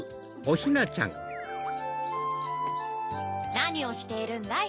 ・なにをしているんだい？